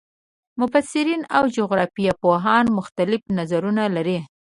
مفسرین او جغرافیه پوهان مختلف نظرونه لري.